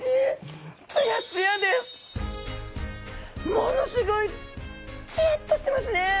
ものすごいツヤっとしてますね！